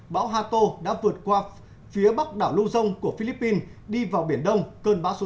bão hato đã vượt qua phía bắc đảo lưu dông của philippines đi vào biển đông cơn bão số sáu